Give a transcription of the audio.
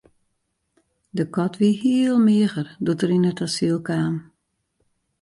De kat wie heel meager doe't er yn it asyl kaam.